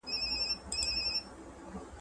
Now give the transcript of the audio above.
پوهه لرونکې مور د ماشوم خوب ژوروي.